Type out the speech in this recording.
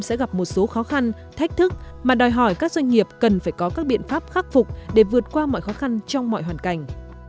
sẽ gặp một số khó khăn thách thức mà đòi hỏi các doanh nghiệp cần phải có các biện pháp khắc phục để vượt qua mọi khó khăn trong mọi hoàn cảnh